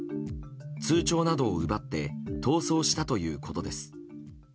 通帳などを奪って逃走したということです。